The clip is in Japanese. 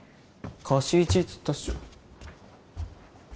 「貸しイチ」っつったっしょ